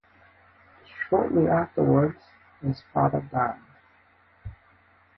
Shortly afterwards, his father died.